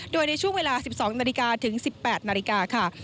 โดยในช่วงเวลา๑๒นาฬิกาถึง๑๘นาฬิกาค่ะ